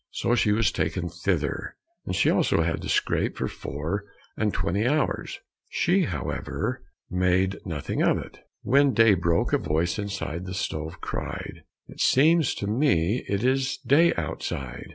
So she was taken thither, and she also had to scrape for four and twenty hours. She, however, made nothing of it. When day broke, a voice inside the stove cried, "It seems to me it is day outside!"